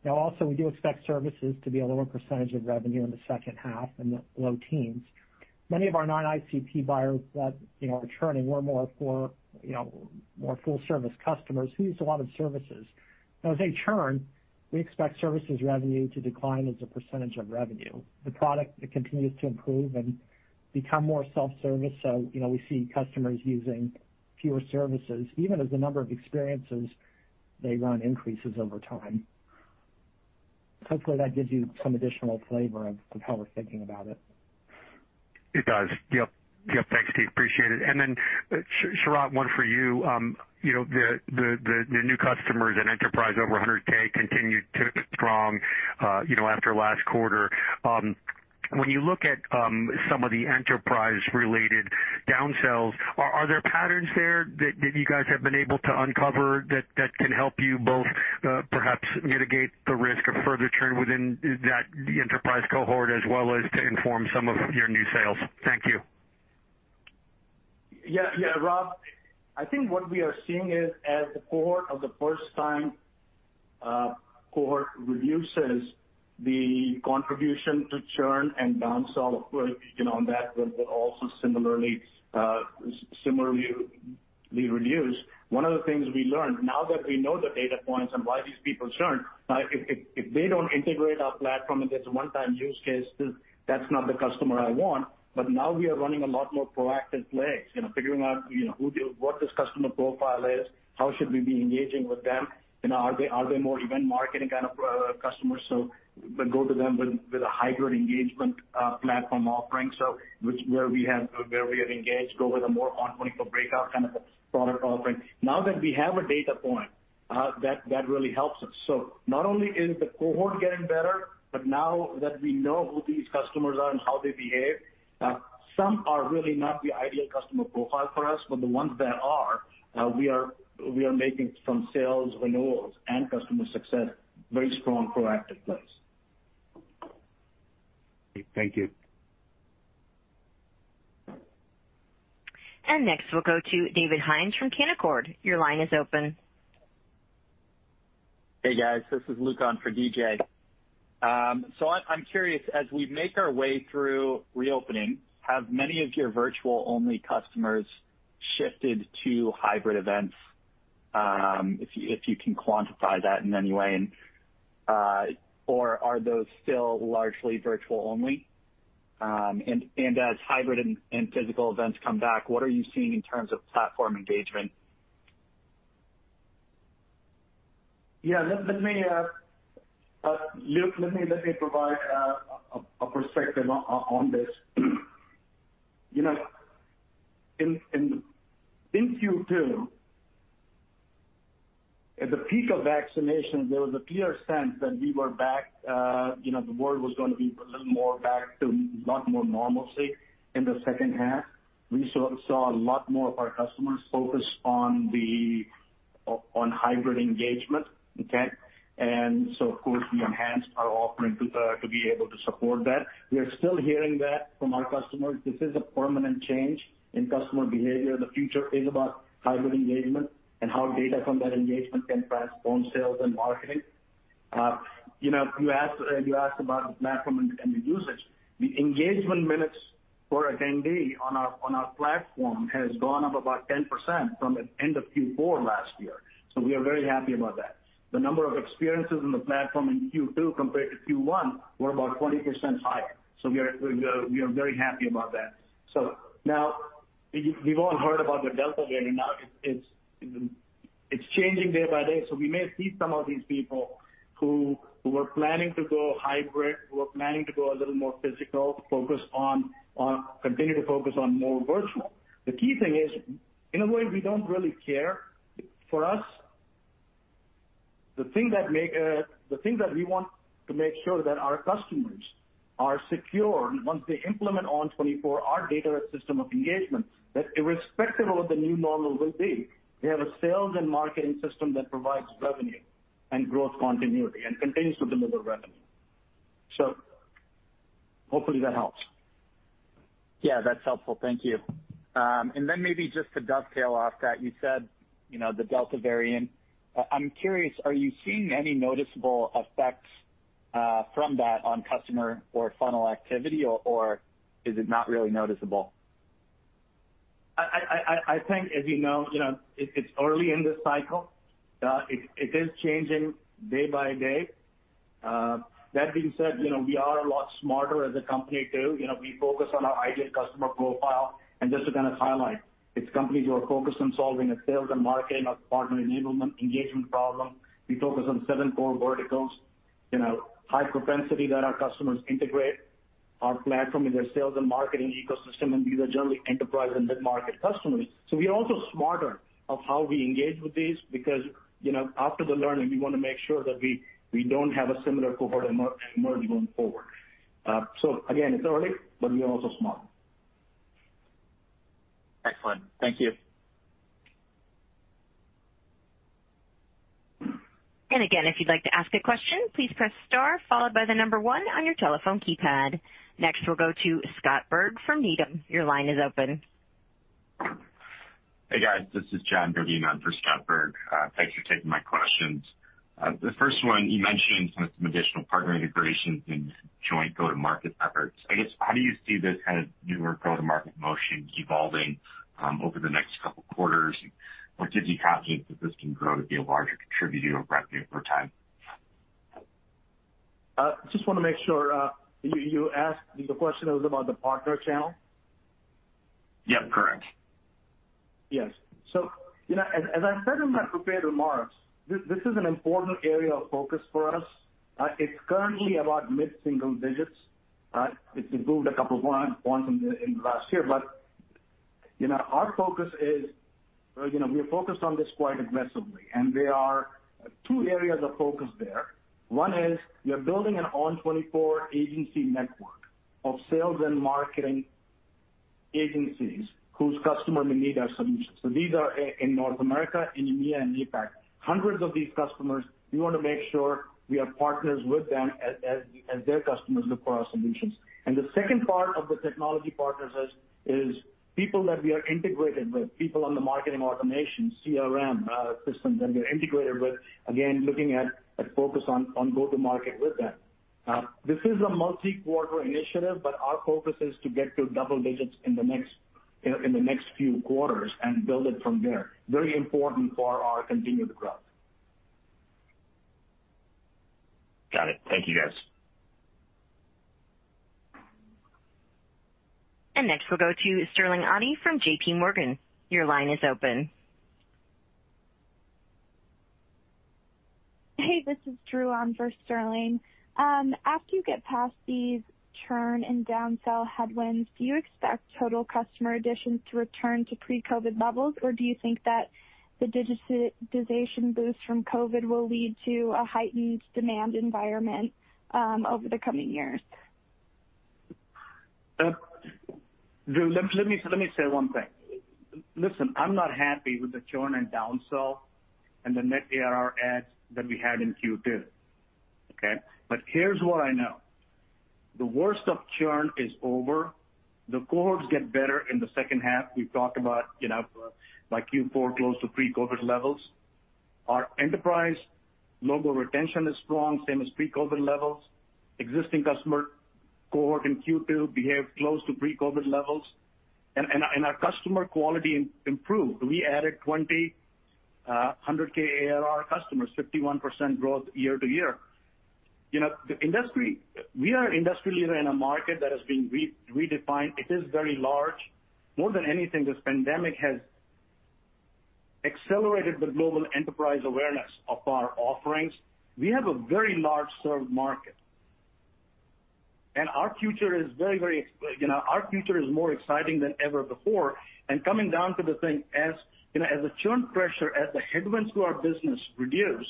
Also, we do expect services to be a lower % of revenue in the second half, in the low teens. Many of our non-ICP buyers that are churning were more full-service customers who use a lot of services. As they churn, we expect services revenue to decline as a % of revenue. The product, it continues to improve and become more self-service, so we see customers using fewer services, even as the number of experiences they run increases over time. Hopefully, that gives you some additional flavor of how we're thinking about it. It does. Yep. Thanks, Steve, appreciate it. Sharat, one for you. The new customers and enterprise over 100,000 continued to look strong after last quarter. When you look at some of the enterprise-related downsells, are there patterns there that you guys have been able to uncover that can help you both, perhaps mitigate the risk of further churn within the enterprise cohort as well as to inform some of your new sales? Thank you. Yeah. Rob, I think what we are seeing is as the cohort of the first-time cohort reduces the contribution to churn and downsell, of course, you can on that will also similarly reduce. One of the things we learned, now that we know the data points and why these people churn, if they don't integrate our platform and it's a one-time use case, that's not the customer I want. Now we are running a lot more proactive plays, figuring out what this customer profile is, how should we be engaging with them? Are they more event marketing kind of customers? Go to them with a hybrid engagement platform offering, where we have engaged, go with a more ON24 Breakouts kind of a product offering. Now that we have a data point, that really helps us. Not only is the cohort getting better, but now that we know who these customers are and how they behave, some are really not the ideal customer profile for us, but the ones that are, we are making some sales renewals and customer success very strong proactive plays. Thank you. Next, we'll go to David Hynes from Canaccord. Your line is open. Hey, guys. This is Luke on for DJ. I'm curious, as we make our way through reopening, have many of your virtual-only customers shifted to hybrid events, if you can quantify that in any way, or are those still largely virtual only? As hybrid and physical events come back, what are you seeing in terms of platform engagement? Luke, let me provide a perspective on this. In Q2, at the peak of vaccinations, there was a clear sense that we were back, the world was going to be a little more back to a lot more normalcy in the second half. We saw a lot more of our customers focused on hybrid engagement. Okay. Of course, we enhanced our offering to be able to support that. We are still hearing that from our customers. This is a permanent change in customer behavior. The future is about hybrid engagement and how data from that engagement can transform sales and marketing. You asked about the platform and the usage. The engagement minutes per attendee on our platform has gone up about 10% from the end of Q4 last year, so we are very happy about that. The number of experiences on the platform in Q2 compared to Q1 were about 20% higher. We are very happy about that. Now, we've all heard about the Delta variant. Now it's changing day by day. We may see some of these people who were planning to go hybrid, who were planning to go a little more physical, continue to focus on more virtual. The key thing is, in a way, we don't really care. For us, the thing that we want to make sure that our customers are secure, and once they implement ON24, our data system of engagement, that irrespective of what the new normal will be, they have a sales and marketing system that provides revenue and growth continuity and continues to deliver revenue. Hopefully that helps. Yeah, that's helpful. Thank you. Maybe just to dovetail off that, you said the Delta variant. I'm curious, are you seeing any noticeable effects from that on customer or funnel activity, or is it not really noticeable? I think, as you know, it's early in this cycle. It is changing day by day. That being said, we are a lot smarter as a company, too. We focus on our ideal customer profile, and just to kind of highlight, it's companies who are focused on solving a sales and marketing or partner enablement engagement problem. We focus on seven core verticals, high propensity that our customers integrate our platform in their sales and marketing ecosystem, and these are generally enterprise and mid-market customers. We are also smarter of how we engage with these because, after the learning, we want to make sure that we don't have a similar cohort anymore going forward. Again, it's early, but we are also smart. Excellent. Thank you. Again, if you'd like to ask a question, please press star followed by the number one on your telephone keypad. We'll go to Scott Berg from Needham. Your line is open. Hey guys, this is John for Scott Berg. Thanks for taking my questions. The first one, you mentioned some additional partner integrations and joint go-to-market efforts. I guess, how do you see this kind of newer go-to-market motion evolving over the next couple of quarters, and what gives you confidence that this can grow to be a larger contributor of revenue over time? Just want to make sure. You asked, the question was about the partner channel? Yep, correct. Yes. As I said in my prepared remarks, this is an important area of focus for us. It's currently about mid-single digits. It's improved two points in the last year. We are focused on this quite aggressively, and there are two areas of focus there. One is we are building an ON24 agency network of sales and marketing agencies whose customer may need our solutions. These are in North America, in EMEA and APAC. Hundreds of these customers, we want to make sure we are partners with them as their customers look for our solutions. The second part of the technology partners is people that we are integrated with, people on the marketing automation, CRM systems that we are integrated with, again, looking at a focus on go-to-market with them. This is a multi-quarter initiative, but our focus is to get to double digits in the next few quarters and build it from there. Very important for our continued growth. Got it. Thank you, guys. Next we'll go to Sterling Auty from JPMorgan. Your line is open. Hey, this is Drew on for Sterling. After you get past these churn and down-sell headwinds, do you expect total customer additions to return to pre-COVID levels? Do you think that the digitization boost from COVID will lead to a heightened demand environment over the coming years? Drew, let me say one thing. Listen, I'm not happy with the churn and down-sell and the net ARR adds that we had in Q2, okay? Here's what I know. The worst of churn is over. The cohorts get better in the second half. We've talked about by Q4 close to pre-COVID levels. Our enterprise logo retention is strong, same as pre-COVID levels. Existing customer cohort in Q2 behaved close to pre-COVID levels, and our customer quality improved. We added 20 $100K ARR customers, 51% growth year-to-year. We are an industry leader in a market that has been redefined. It is very large. More than anything, this pandemic has accelerated the global enterprise awareness of our offerings. We have a very large served market, and our future is more exciting than ever before. Coming down to the thing, as the churn pressure, as the headwinds to our business reduce,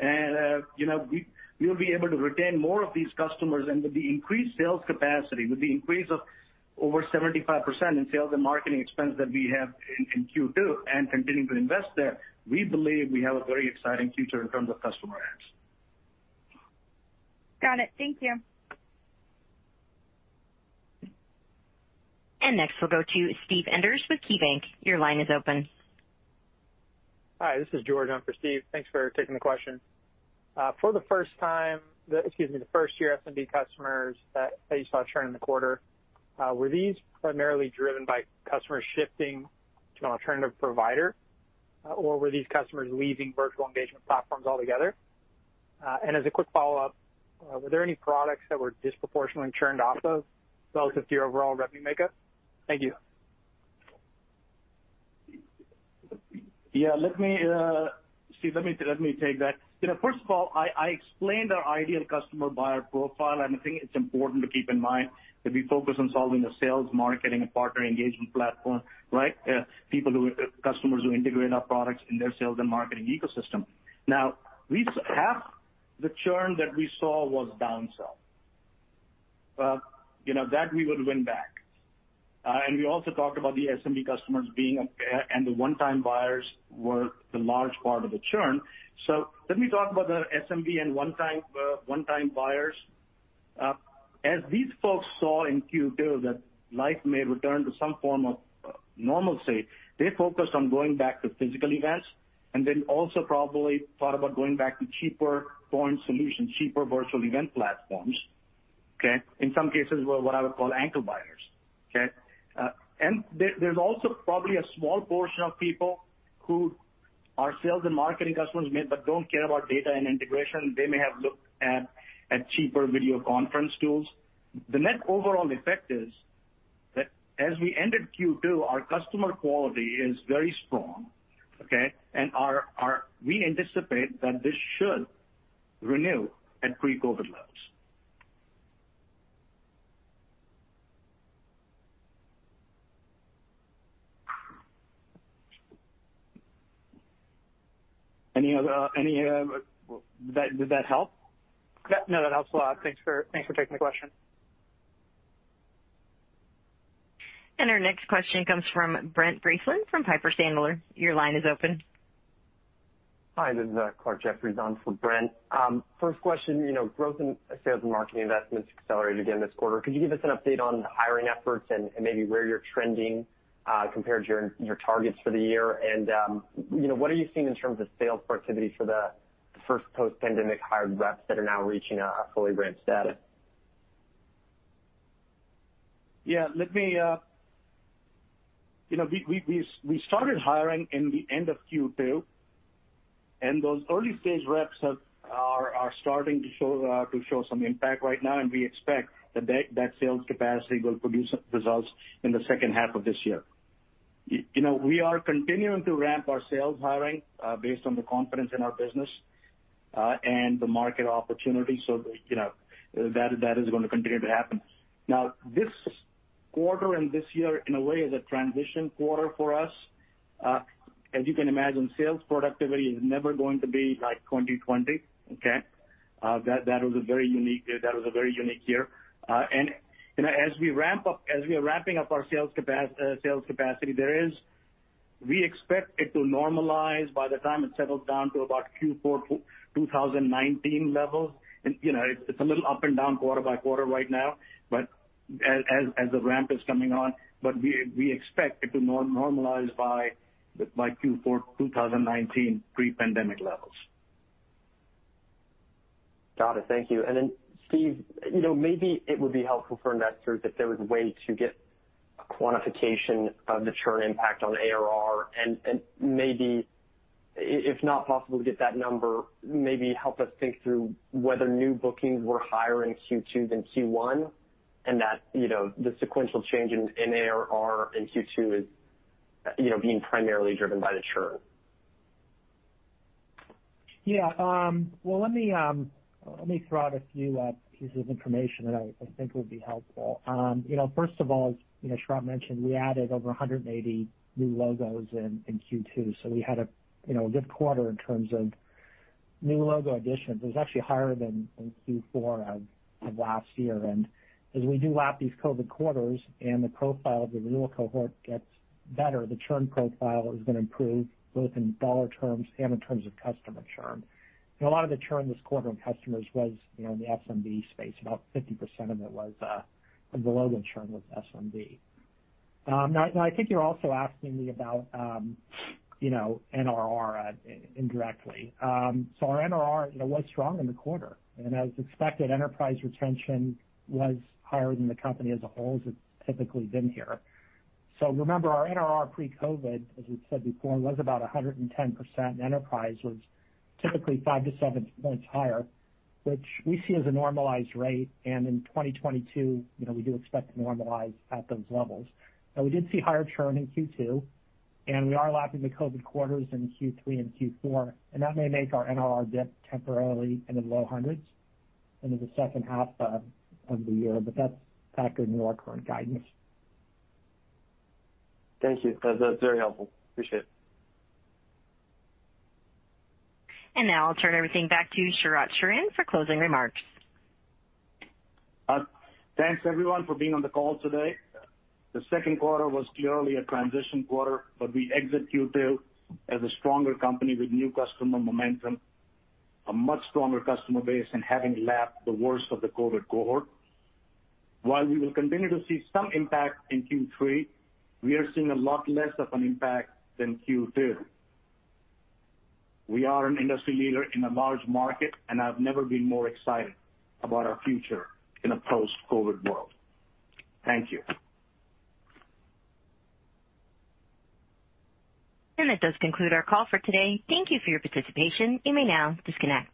we'll be able to retain more of these customers. With the increased sales capacity, with the increase of over 75% in sales and marketing expense that we have in Q2 and continuing to invest there, we believe we have a very exciting future in terms of customer adds. Got it. Thank you. Next, we'll go to Steve Enders with KeyBank. Your line is open. Hi, this is George on for Steve. Thanks for taking the question. For the 1st year SMB customers that you saw churn in the quarter, were these primarily driven by customers shifting to an alternative provider? Or were these customers leaving virtual engagement platforms altogether? As a quick follow-up, were there any products that were disproportionately churned off of relative to your overall revenue makeup? Thank you. Yeah, Steve, let me take that. First of all, I explained our ideal customer buyer profile, and I think it's important to keep in mind that we focus on solving the sales, marketing, and partner engagement platform, right? Customers who integrate our products in their sales and marketing ecosystem. Half the churn that we saw was down-sell. That, we would win back. We also talked about the SMB customers and the one-time buyers were the large part of the churn. Let me talk about the SMB and one-time buyers. As these folks saw in Q2 that life may return to some form of normalcy, they focused on going back to physical events, and then also probably thought about going back to cheaper foreign solutions, cheaper virtual event platforms, okay. In some cases, were what I would call ankle buyers, okay. There's also probably a small portion of people who our sales and marketing customers made but don't care about data and integration. They may have looked at cheaper video conference tools. The net overall effect is that as we ended Q2, our customer quality is very strong, okay? We anticipate that this should renew at pre-COVID levels. Did that help? No, that helps a lot. Thanks for taking the question. Our next question comes from Brent Bracelin from Piper Sandler. Your line is open. Hi, this is Clarke Jeffries on for Brent. First question, growth in sales and marketing investments accelerated again this quarter. Could you give us an update on hiring efforts and maybe where you're trending, compared to your targets for the year? What are you seeing in terms of sales productivity for the first post-pandemic hired reps that are now reaching a fully ramped status? Yeah. We started hiring in the end of Q2, and those early-stage reps are starting to show some impact right now, and we expect that sales capacity will produce results in the second half of this year. We are continuing to ramp our sales hiring, based on the confidence in our business, and the market opportunity. That is going to continue to happen. Now, this quarter and this year, in a way, is a transition quarter for us. As you can imagine, sales productivity is never going to be like 2020, okay? That was a very unique year. As we are wrapping up our sales capacity, we expect it to normalize by the time it settles down to about Q4 2019 levels. It's a little up and down quarter by quarter right now, but as the ramp is coming on, but we expect it to normalize by Q4 2019 pre-pandemic levels. Got it. Thank you. Steve, maybe it would be helpful for investors if there was a way to get a quantification of the churn impact on ARR, maybe, if not possible to get that number, maybe help us think through whether new bookings were higher in Q2 than Q1, that the sequential change in ARR in Q2 is being primarily driven by the churn. Yeah. Well, let me throw out a few pieces of information that I think would be helpful. First of all, as Sharat mentioned, we added over 180 new logos in Q2. We had a good quarter in terms of new logo additions. It was actually higher than in Q4 of last year. As we do lap these COVID quarters and the profile of the renewal cohort gets better, the churn profile is going to improve both in dollar terms and in terms of customer churn. A lot of the churn this quarter on customers was in the SMB space. About 50% of the logo churn was SMB. Now, I think you're also asking me about NRR indirectly. Our NRR was strong in the quarter. As expected, enterprise retention was higher than the company as a whole, as it's typically been here. Remember, our NRR pre-COVID, as we've said before, was about 110%, and enterprise was typically five to seven points higher, which we see as a normalized rate. In 2022, we do expect to normalize at those levels. We did see higher churn in Q2, and we are lapping the COVID quarters in Q3 and Q4, and that may make our NRR dip temporarily into the low hundreds into the second half of the year, but that's factored into our current guidance. Thank you. That is very helpful. Appreciate it. Now I'll turn everything back to Sharat Sharan for closing remarks. Thanks, everyone, for being on the call today. The second quarter was clearly a transition quarter, but we exit Q2 as a stronger company with new customer momentum, a much stronger customer base, and having lapped the worst of the COVID cohort. While we will continue to see some impact in Q3, we are seeing a lot less of an impact than Q2. We are an industry leader in a large market, and I've never been more excited about our future in a post-COVID world. Thank you. That does conclude our call for today. Thank you for your participation. You may now disconnect.